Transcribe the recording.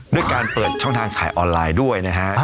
ด้วยการเปิดช่องทางขายออนไลน์ด้วยนะฮะ